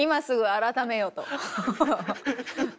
「改めよ」と。